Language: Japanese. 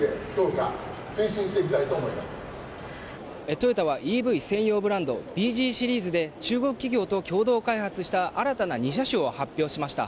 トヨタはＥＶ専用ブランドｂＺシリーズで中国企業と共同開発した新たな２車種を発表しました。